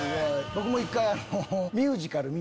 僕も１回。